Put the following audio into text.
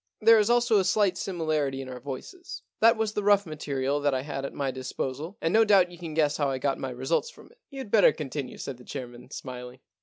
There is also a slight similarity in our voices. That was the rough material that I had at my dis posal, and no doubt you can guess how I got my results from it.' * You'd better continue,' said the chairman, smiling.